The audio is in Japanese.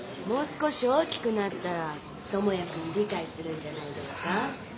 もう少し大きくなったら智也君理解するんじゃないですか？